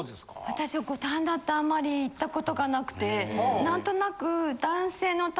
私五反田ってあんまり行ったことがなくて何となく。